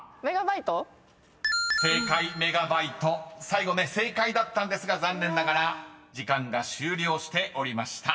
最後ね正解だったんですが残念ながら時間が終了しておりました］